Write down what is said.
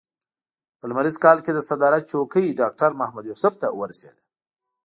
په لمریز کال کې د صدارت څوکۍ ډاکټر محمد یوسف ته ورسېده.